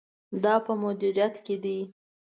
دا په مدیریت کې ده.